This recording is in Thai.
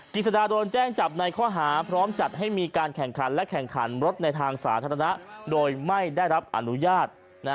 กิจสดาโดนแจ้งจับในข้อหาพร้อมจัดให้มีการแข่งขันและแข่งขันรถในทางสาธารณะโดยไม่ได้รับอนุญาต